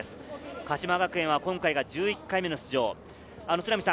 鹿島学園を今回が１１回目の出場。